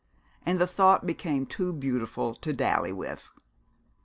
And the thought became too beautiful to dally with.